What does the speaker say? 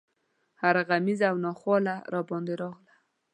هره غمیزه او ناخواله راباندې راغله.